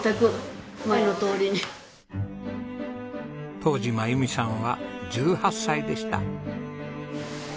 当時まゆみさんは１８歳でした。